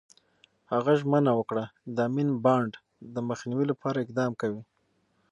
هغه ژمنه وکړه، د امین بانډ د مخنیوي لپاره اقدام کوي.